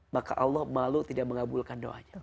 maka allah malu tidak mengabulkan doanya